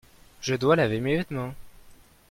Je dois laver mes vêtements.